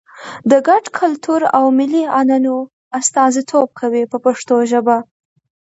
د ګډ کلتور او ملي عنعنو استازیتوب کوي په پښتو ژبه.